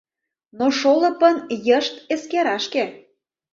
Но шолыпын, йышт эскера шке